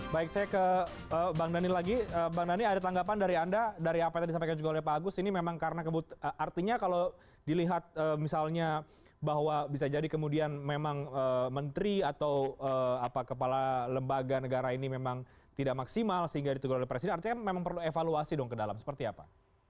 baik saya ke bang daniel lagi bang dhani ada tanggapan dari anda dari apa yang tadi disampaikan juga oleh pak agus ini memang karena artinya kalau dilihat misalnya bahwa bisa jadi kemudian memang menteri atau kepala lembaga negara ini memang tidak maksimal sehingga ditunggu oleh presiden artinya memang perlu evaluasi dong ke dalam seperti apa